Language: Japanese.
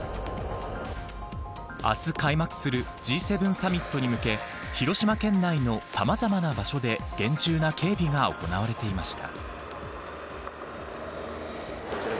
明日、開幕するＧ７サミットに向け広島県内のさまざまな場所で厳重な警備が行われていました。